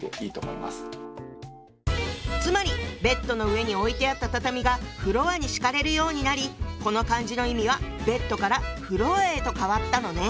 つまりベッドの上に置いてあった畳がフロアに敷かれるようになりこの漢字の意味は「ベッド」から「フロア」へと変わったのね。